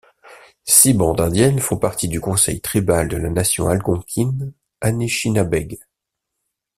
Six bandes indiennes font partie du conseil tribal de la nation algonquine Anishinabeg.